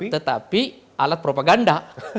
tetapi alat propaganda